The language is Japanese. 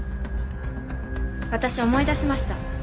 私思い出しました。